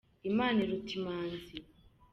Imana iruta Imanzi.